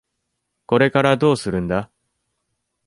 これからどうするんだ？